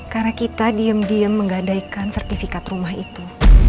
karena kita diem diem menggadaikan sertifikat rumah itu